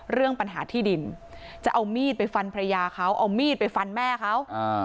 เรื่องปัญหาที่ดินจะเอามีดไปฟันภรรยาเขาเอามีดไปฟันแม่เขา